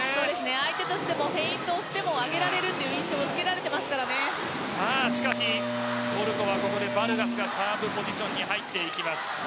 相手もフェイントしても上げられるという印象をしかしここはトルコはバルガスがサーブポジションに入っていきます。